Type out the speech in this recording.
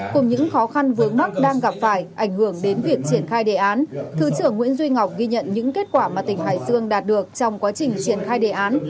cùng những khó khăn vướng mắt đang gặp phải ảnh hưởng đến việc triển khai đề án thứ trưởng nguyễn duy ngọc ghi nhận những kết quả mà tỉnh hải dương đạt được trong quá trình triển khai đề án